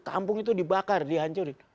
kampung itu dibakar dihancurin